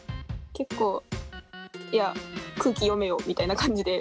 結構いや空気読めよみたいな感じで。